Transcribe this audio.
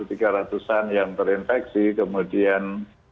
tiga ratusan yang terinfeksi kemudian